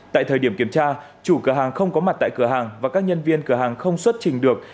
tại thời điểm kiểm tra chủ cửa hàng không có mặt tại cửa hàng và các nhân viên cửa hàng không xuất trình được